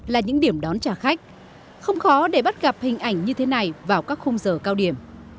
là những điểm đón trả khách không khó để bắt gặp hình ảnh như thế này vào các khung giờ cao điểm